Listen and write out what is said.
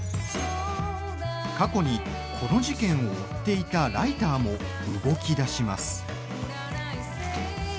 過去に、この事件を追っていたライターも動きだします。